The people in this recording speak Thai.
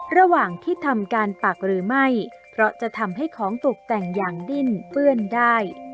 ระหว่างที่ทำการปักหรือไม่เพราะจะทำให้ของตกแต่งอย่างดิ้นเปื้อนได้